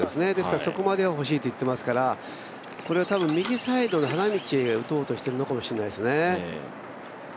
そこまでは欲しいと言っていますからこれは多分右サイドの花道に打とうとしているのかもしれないですね。